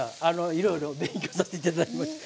いろいろ勉強させて頂きました。